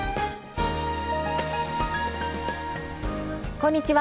こんにちは。